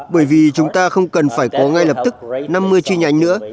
bởi vì chúng ta không cần phải có ngay lập tức năm mươi chi nhánh nữa